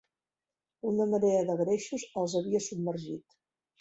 Una marea de greixos els havia submergit.